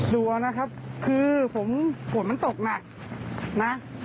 ดูเอานะครับคือผมฝนมันตกหนักนะ